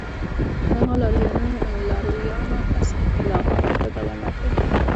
د هغه لارویانو اصلاحاتو ته دوام ورکړ